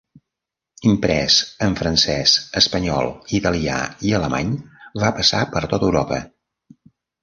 Imprès en francès, espanyol, italià i alemany, va passar per tota Europa.